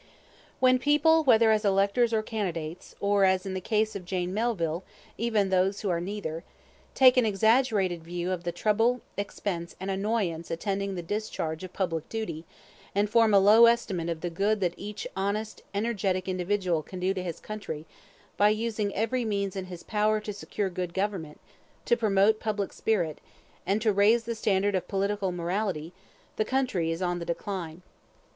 When people, whether as electors or candidates (or, as in the case of Jane Melville, even those who are neither), take an exaggerated view of the trouble, expense, and annoyance attending the discharge of public duty, and form a low estimate of the good that each honest energetic individual can do to his country by using every means in his power to secure good government, to promote public spirit, and to raise the standard of political morality, the country is on the decline.